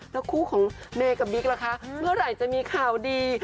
แล้วคู่ของเมย์กับบิ๊กล่ะคะเมื่อไหร่จะมีข่าวดี